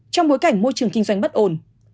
trong bối cảnh môi trường kinh doanh bất ổn